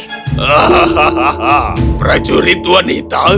hahaha prajurit wanita